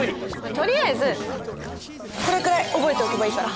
とりあえずこれくらい覚えておけばいいから。